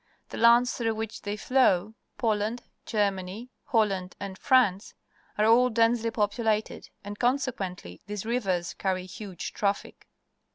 The lands through which they flow — Poland, Germany, Holland, and France — are all densely populated, and, consequently, these rivers carry a huge traffic.